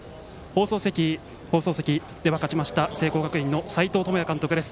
放送席、勝ちました聖光学院の斎藤智也監督です。